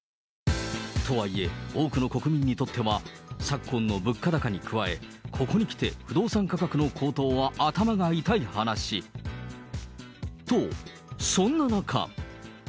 とはいえ、多くの国民にとっては、昨今の物価高に加え、ここにきて不動産価格の高騰は頭が痛い話。と、そんな中。